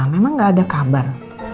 memang nggak ada kabar